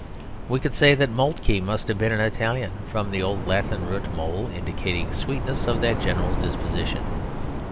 We could say that Moltke must have been an Italian, from the old Latin root mol indicating the sweetness of that general's disposition.